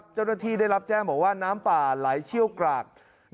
เจ้าหน้าที่ได้รับแจ้งบอกว่าน้ำป่าไหลเชี่ยวกราก